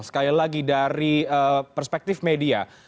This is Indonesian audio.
sekali lagi dari perspektif media